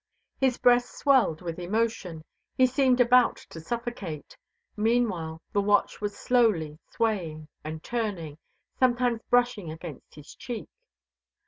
His breast swelled with emotion; he seemed about to suffocate. Meanwhile the watch was slowly swaying and turning, sometimes brushing against his cheek.